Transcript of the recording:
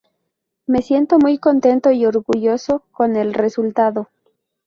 Me siento muy contento y orgulloso con el resultado".